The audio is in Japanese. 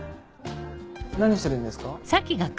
何してるんですか？